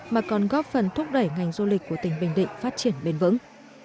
mà còn góp phần thúc đẩy ngành du lịch của tỉnh bình định phát triển bền vững